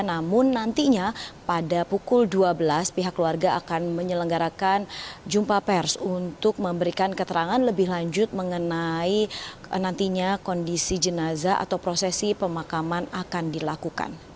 namun nantinya pada pukul dua belas pihak keluarga akan menyelenggarakan jumpa pers untuk memberikan keterangan lebih lanjut mengenai nantinya kondisi jenazah atau prosesi pemakaman akan dilakukan